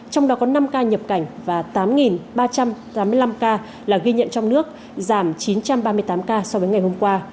trong đó có năm ca nhập cảnh và tám ba trăm tám mươi năm ca là ghi nhận trong nước giảm chín trăm ba mươi tám ca so với ngày hôm qua